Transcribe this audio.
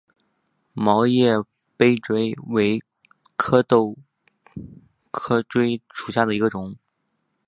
毛叶杯锥为壳斗科锥属下的一个种。